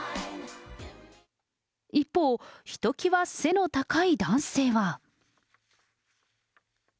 一方、ひときわ背の高い男性は。